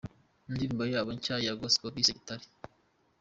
Indirimbo yabo nshya ya Gospel bise "Gitare".